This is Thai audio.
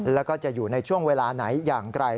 แล้วก็จะอยู่ในช่วงเวลาไหนอย่างไร